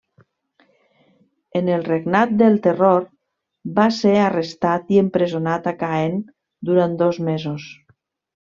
En el Regnat del Terror va ser arrestat i empresonat a Caen durant dos mesos.